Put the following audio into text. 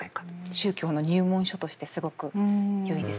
宗教の入門書としてすごくよいですよね。